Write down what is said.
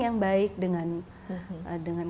yang baik dengan